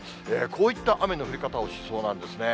こういった雨の降り方をしそうなんですね。